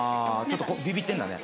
ちょっとビビってるんだね。